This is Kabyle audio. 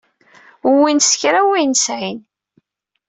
Wwin s kra n wayen sɛiɣ.